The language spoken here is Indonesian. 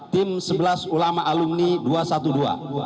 tim sebelas ulama alumni dua satu dua